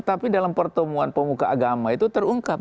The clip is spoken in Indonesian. tapi dalam pertemuan pemuka agama itu terungkap